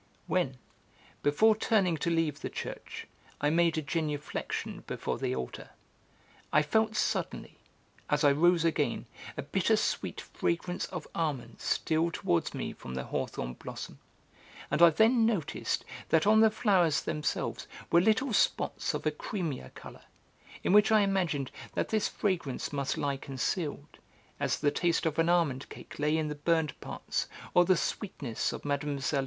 When, before turning to leave the church, I made a genuflection before the altar, I felt suddenly, as I rose again, a bitter sweet fragrance of almonds steal towards me from the hawthorn blossom, and I then noticed that on the flowers themselves were little spots of a creamier colour, in which I imagined that this fragrance must lie concealed, as the taste of an almond cake lay in the burned parts, or the sweetness of Mlle.